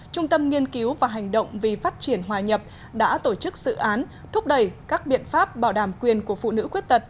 trung tâm nghiên cứu và hành động vì phát triển hòa nhập đã tổ chức sự án thúc đẩy các biện pháp bảo đảm quyền của phụ nữ quyết tật